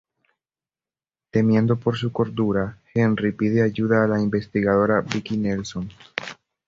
Temiendo por su cordura, Henry pide ayuda a la investigadora Vicki Nelson.